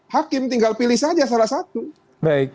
hakim tinggal pilih saja salah satu